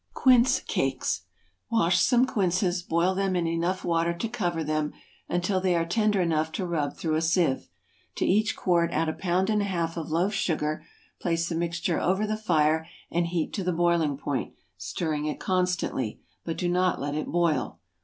=Quince Cakes.= Wash some quinces, boil them in enough water to cover them, until they are tender enough to rub through a seive; to each quart add a pound and a half of loaf sugar, place the mixture over the fire, and heat to the boiling point, stirring it constantly, but do not let it boil.